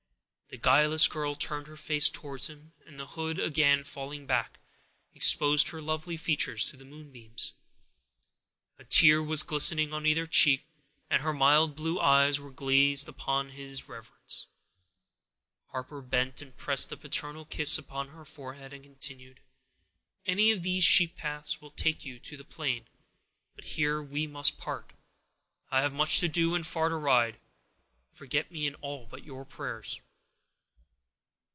The guileless girl turned her face towards him, and the hood again falling back, exposed her lovely features to the moonbeams. A tear was glistening on either cheek, and her mild blue eyes were gazing upon him in reverence. Harper bent and pressed a paternal kiss upon her forehead, and continued: "Any of these sheep paths will take you to the plain; but here we must part—I have much to do and far to ride; forget me in all but your prayers."